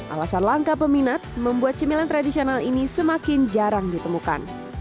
alasan langka peminat membuat cemilan tradisional ini semakin jarang ditemukan